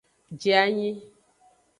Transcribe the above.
Je anyi.